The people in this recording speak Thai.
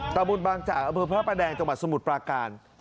ตะบุญบางจากอำเภอพระประแดงจังหวัดสมุทรปราการ